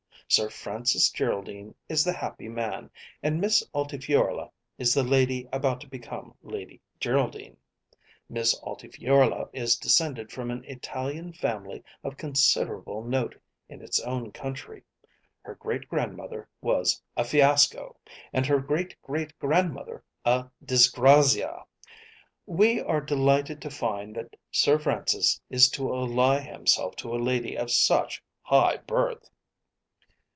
Sir Francis Geraldine is the happy man, and Miss Altifiorla is the lady about to become Lady Geraldine. Miss Altifiorla is descended from an Italian family of considerable note in its own country. Her great grandmother was a Fiasco, and her great great grandmother a Disgrazia. We are delighted to find that Sir Francis is to ally himself to a lady of such high birth."